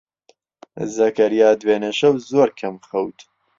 زەکەریا دوێنێ شەو زۆر کەم خەوت.